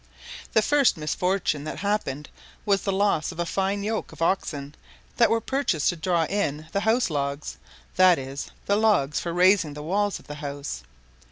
The first misfortune that happened was the loss of a fine yoke of oxen that were purchased to draw in the house logs, that is, the logs for raising the walls of the house.